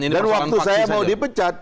dan waktu saya mau dipecat